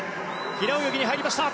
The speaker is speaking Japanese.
平泳ぎに入りました。